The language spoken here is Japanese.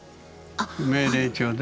命令調で？